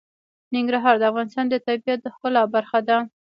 ننګرهار د افغانستان د طبیعت د ښکلا برخه ده.